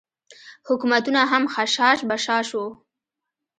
حکومتونه هم خشاش بشاش وو.